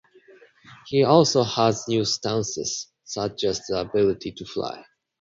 He also has new stances, such as the ability to fly.